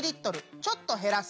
ちょっと減らす。